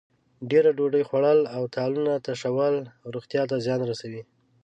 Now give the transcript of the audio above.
ډېره ډوډۍ خوړل او تالونه تشول روغتیا ته زیان رسوي.